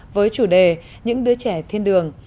với chủ đề những đứa trẻ thiên đường